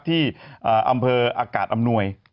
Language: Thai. ที่อำเภออากาศอำนวย